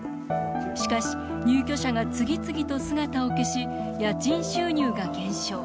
しかし、入居者が次々と姿を消し家賃収入が減少。